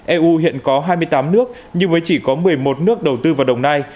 eu hiện có hai mươi tám nước nhưng mới chỉ có một mươi một nước đầu tư vào đồng nai